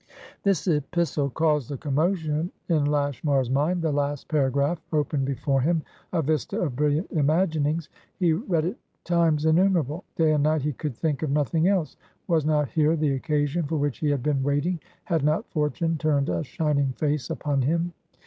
This epistle caused a commotion in Lashmar's mind. The last paragraph opened before him a vista of brilliant imaginings. He read it times innumerable; day and night he could think of nothing else. Was not here the occasion for which he had been waiting? Had not fortune turned a shining face upon him?